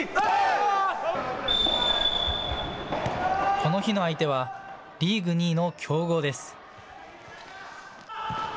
この日の相手はリーグ２位の強豪です。